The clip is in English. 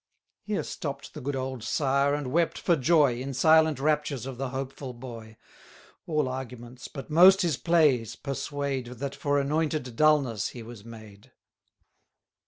Here stopp'd the good old sire, and wept for joy, 60 In silent raptures of the hopeful boy. All arguments, but most his plays, persuade, That for anointed dulness he was made.